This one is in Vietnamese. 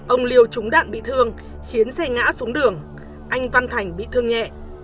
ông liêu trúng đạn bị thương khiến xe ngã xuống đường anh văn thành bị thương nhẹ